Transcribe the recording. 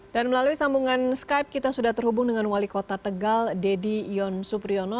dan melalui sambungan skype kita sudah terhubung dengan wali kota tegal dedy ion supriyono